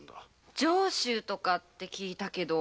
上州とかって聞いたけど。